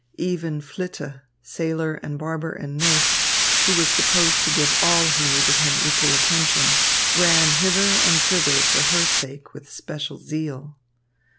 Even Flitte, sailor and barber and nurse, who was supposed to give all who needed him equal attention, ran hither and thither for her sake with special zeal.